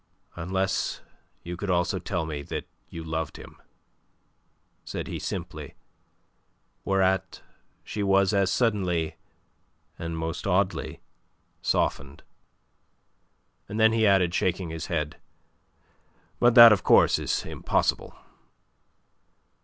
"Unless you could also tell me that you loved him," said he simply, whereat she was as suddenly and most oddly softened. And then he added, shaking his head: "But that of course is impossible."